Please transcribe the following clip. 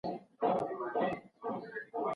ما د سید قطب په اړه یو بل کتاب اخیستی و.